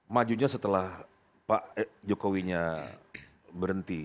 majunya setelah pak jokowinya berhenti